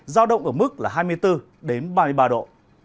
giao động ở mức là hai mươi bốn ba mươi ba độ